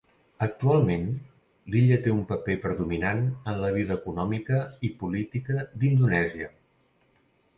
Actualment, l'illa té un paper predominant en la vida econòmica i política d'Indonèsia.